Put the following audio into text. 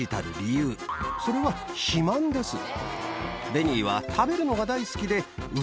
ベニーは。